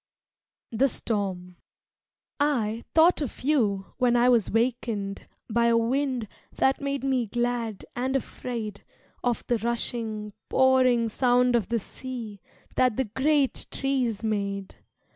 The Storm I thought of you when I was wakened By a wind that made me glad and afraid Of the rushing, pouring sound of the sea That the great trees made.